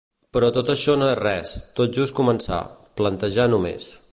Però tot això no és res, tot just començar, plantejar només.